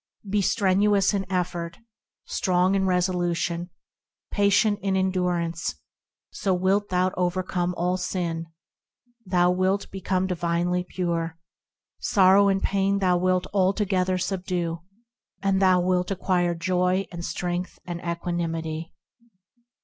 Be strenuous in effort, Strong in resolution ; Patient in endurance; So wilt thou overcome all sin; Thou wilt become divinely pure; Sorrow and pain thou wilt altogether subdue And thou wilt acquire joy and strength and equanimity.